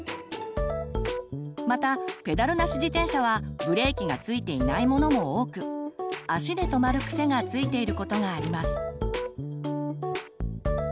またペダルなし自転車はブレーキがついていないものも多く足で止まる癖がついていることがあります。